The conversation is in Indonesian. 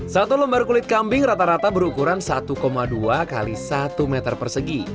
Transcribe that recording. satu lembar kulit kambing rata rata berukuran satu dua x satu meter persegi